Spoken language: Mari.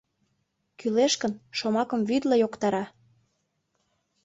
Кӱлеш гын, шомакым вӱдла йоктара.